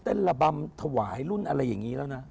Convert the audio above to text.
ระบำถวายรุ่นอะไรอย่างนี้แล้วนะ